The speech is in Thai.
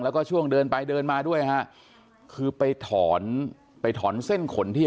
แล้วก็ช่วงเดินไปเดินมาด้วยฮะคือไปถอนไปถอนเส้นขนที่